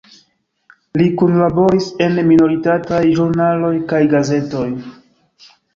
Li kunlaboris en minoritataj ĵurnaloj kaj gazetoj.